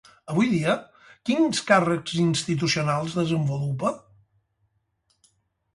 Avui dia, quins càrrecs institucionals desenvolupa?